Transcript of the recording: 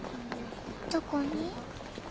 どこに？